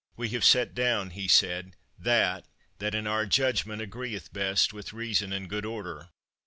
"We have set down," he said, "that that in our judgment agreeth best with reason and good order.